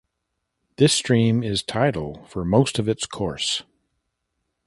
This stream is tidal for most of its course.